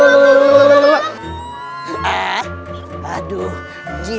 jadi mau menangkan apunya